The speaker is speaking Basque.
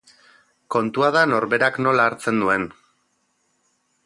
Kontua da norberak nola hartzen duen.